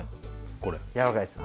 これやわらかいです